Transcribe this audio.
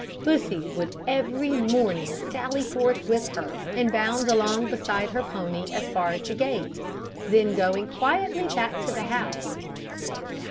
Pussy would every morning sally forth with her, and bound along beside her pony as far as the gate, then going quietly back to the house.